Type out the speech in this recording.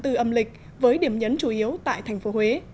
từ ngày một mươi năm tháng bốn âm lịch với điểm nhấn chủ yếu tại thành phố huế